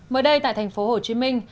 mới đây tại thành phố hồ chí minh